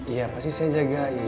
iya pasti saya jagain